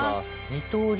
二刀流？